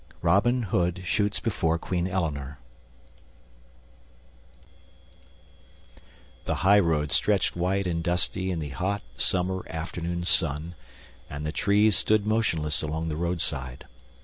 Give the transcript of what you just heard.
Robin Hood Shoots Before Queen Eleanor THE HIGHROAD stretched white and dusty in the hot summer afternoon sun, and the trees stood motionless along the roadside.